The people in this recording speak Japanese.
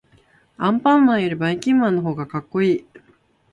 アンパンマンよりばいきんまんのほうがかっこいい。